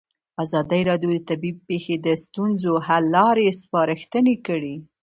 ازادي راډیو د طبیعي پېښې د ستونزو حل لارې سپارښتنې کړي.